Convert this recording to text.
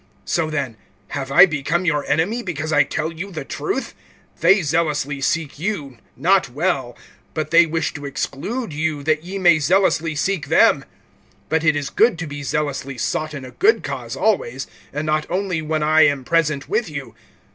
(16)So then, have I become your enemy, because I tell you the truth? (17)They zealously seek you, not well; but they wish to exclude you, that ye may zealously seek them. (18)But it is good to be zealously sought in a good cause always, and not only when I am present with you.